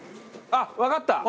あっわかった！